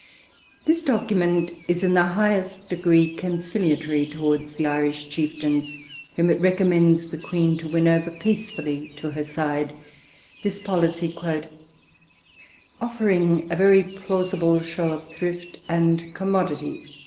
This document is in the highest degree conciliatory towards the Irish chieftains, whom it recommends the Queen to win over peacefully to her side, this policy 'offering a very plausible show of thrift and commodity.'